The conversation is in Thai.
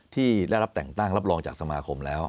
ที่ได้รับแต่งตั้งรับรองจากสมาคมแล้ว